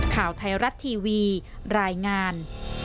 ข่าวไทยรัฐทีวีรายงาน